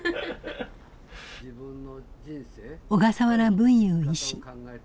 小笠原文雄医師。